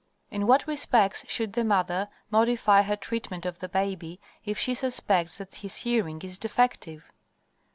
In what respects should the mother modify her treatment of the baby if she suspects that his hearing is defective?